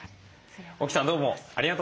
沖さんどうもありがとうございました。